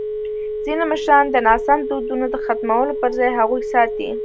ځینې مشران د ناسم دودونو د ختمولو پر ځای هغوی ساتي.